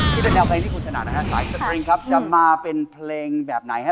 นี่เป็นแนวเพลงที่คุณถนัดนะฮะหลายสตริงครับจะมาเป็นเพลงแบบไหนฮะ